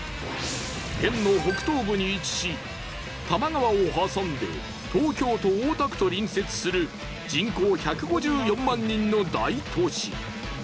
県の北東部に位置し多摩川をはさんで東京都大田区と隣接する人口１５４万人の大都市。